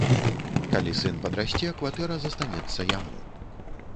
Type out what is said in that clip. Калі сын падрасце, кватэра застанецца яму.